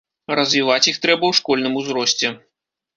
Развіваць іх трэба ў школьным узросце.